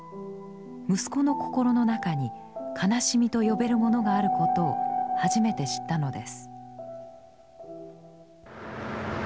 息子の心の中に悲しみと呼べるものがあることを初めて知ったのです。